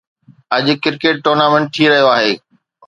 اڄ cricket tournament ٿي رهيو آهي.